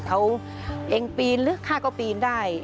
เขาเองปีนลึกข้าก็ปีนได้